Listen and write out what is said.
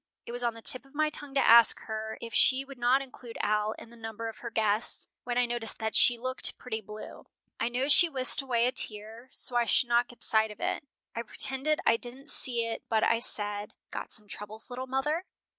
It was on the tip of my tongue to ask her if she would not include Al in the number of her guests, when I noticed that she looked pretty blue. I know she whisked away a tear so I should not get sight of it. I pretended I didn't see it but I said, 'Got some troubles, little mother?'"